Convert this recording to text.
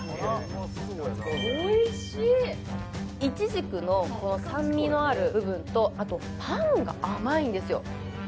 イチジクのこの酸味のある部分とあとパンが甘いんですよ